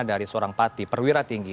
dari seorang pati perwira tinggi